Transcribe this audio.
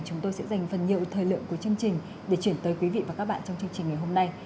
chúng tôi sẽ dành phần nhiều thời lượng của chương trình để chuyển tới quý vị và các bạn trong chương trình ngày hôm nay